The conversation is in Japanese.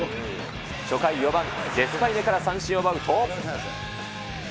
初回、４番デスパイネから三振を奪うと。